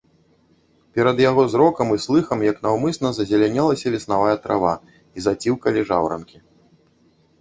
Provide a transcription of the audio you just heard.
Перад яго зрокам і слыхам як наўмысна зазелянелася веснавая трава і заціўкалі жаўранкі.